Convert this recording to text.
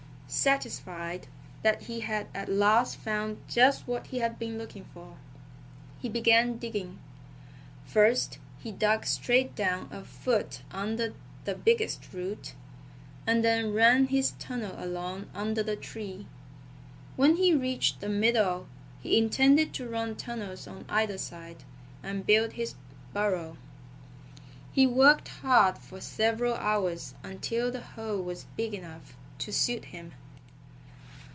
Satisfied that he had at last found just what he had been looking for, he began digging. First he dug straight down a foot under the biggest root, and then ran his tunnel along under the tree. When he reached the middle he intended to run tunnels on either side, and build his burrow. He worked hard for several hours until the hole was big enough to suit him.